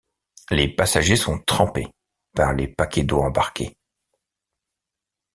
Les passagers sont trempés par les paquets d'eau embarqués.